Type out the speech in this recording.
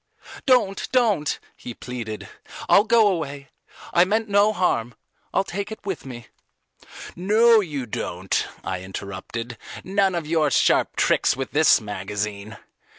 "Don't, don't," he pleaded. "I'll go away. I meant no harm. I'll take it with me." "No you don't," I interrupted; "none of your sharp tricks with this magazine.